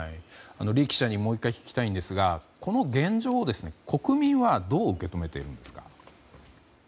李記者にもう１回聞きたいんですが国民はどう受け止めているんですか？